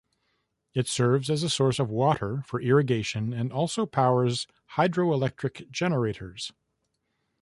It serves as a source of water for irrigation and also powers hydroelectric generators.